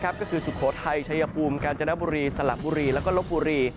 ก็คือสุโขทัยชัยภูมิกาญจนบุรีสละบุรีแล้วก็ลบบุรี